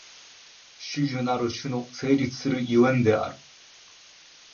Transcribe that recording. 種々なる種の成立する所以である。